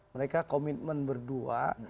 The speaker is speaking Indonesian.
mereka komitmen berdua